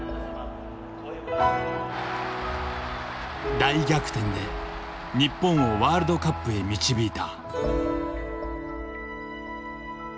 大逆転で日本をワールドカップへ導いた。